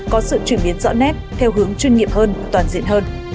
có sự chuyển biến rõ nét theo hướng chuyên nghiệp hơn toàn diện hơn